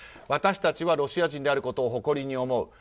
私たちはロシア人であることを誇りに思う。